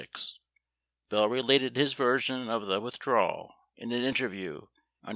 Bell related his version of the with drawal in an interview on Dec.